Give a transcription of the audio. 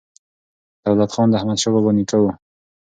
دولت خان د احمدشاه بابا نیکه و.